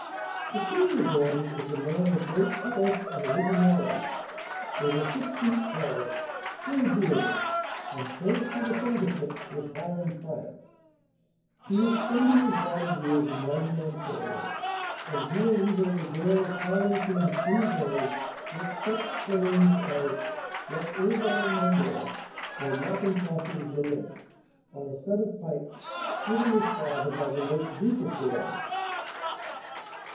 The senior Gordon is a man of great force and originality; over six feet tall, full bearded, and full to the finger tips with Highland fire. He is spending his latter years in London, Ont., and here he will regale his Highland friends any day with such strains as "Lochaber No More," or "Mackintosh's Lament," on a set of pipes given his father by the late Duke of Gordon.